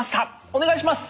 お願いします！